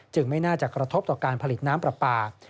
ไม่น่าจะกระทบต่อการผลิตน้ำปลาปลา